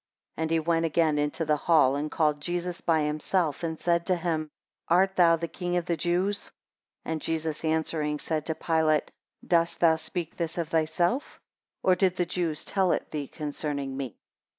6 And he went again into the hall, and called Jesus by himself, and said to him, Art thou the king of the Jews? 7 And Jesus answering, said to Pilate, Dost thou speak this of thyself, or did the Jews tell it thee concerning me?